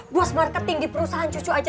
bos marketing di perusahaan cucu aja